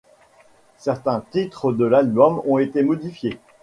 Certains titres de l'album ont été modifiés.